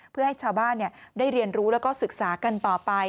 เพื่อให้ชาวบ้านได้เรียนรู้แล้วก็ศึกษากันต่อไป